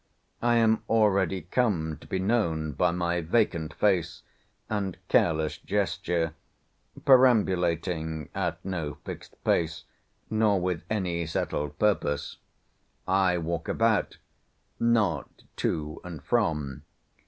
I am already come to be known by my vacant face and careless gesture, perambulating at no fixed pace, nor with any settled purpose. I walk about; not to and from.